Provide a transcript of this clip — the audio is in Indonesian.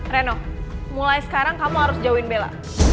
reno mulai sekarang kamu harus join bella